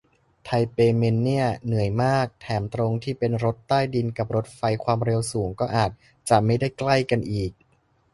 ไทเปเมนเนี่ย เหนื่อยมาก แถมตรงที่เป็นรถใต้ดินกับรถไฟความเร็วสูงก็อาจจะไม่ได้ใกล้กันอีก